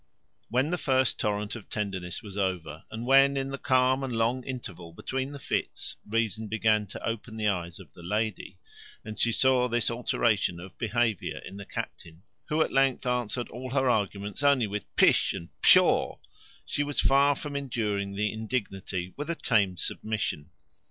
When the first torrent of tenderness was over, and when, in the calm and long interval between the fits, reason began to open the eyes of the lady, and she saw this alteration of behaviour in the captain, who at length answered all her arguments only with pish and pshaw, she was far from enduring the indignity with a tame submission.